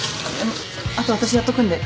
あと私やっとくんで。